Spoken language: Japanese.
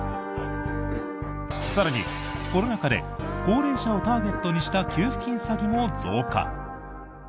更に、コロナ禍で高齢者をターゲットにした給付金詐欺も増加。